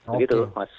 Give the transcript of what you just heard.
begitu loh mas